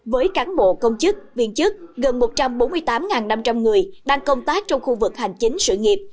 với cán bộ công chức viên chức gần một trăm bốn mươi tám năm trăm linh người đang công tác trong khu vực hành chính sự nghiệp